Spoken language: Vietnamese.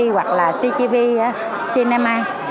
hoặc là cgv cinema